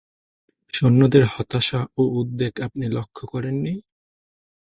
সৈন্যদের হতাশা ও উদ্বেগ আপনি লক্ষ্য করেন নি?